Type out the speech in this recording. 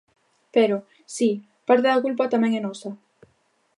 Pero, si, parte da culpa tamén é nosa.